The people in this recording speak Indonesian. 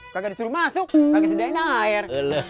gak disuruh masuk pakai sedih aja naik air